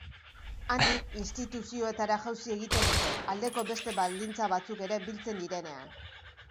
Handik instituzioetara jauzi egiten dute, aldeko beste baldintza batzuk ere biltzen direnean.